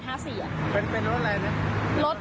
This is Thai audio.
กรรร๑๘๕๔